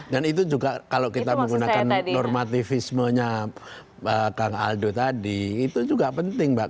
dan itu juga kalau kita menggunakan normativismenya kang aldo tadi itu juga penting mbak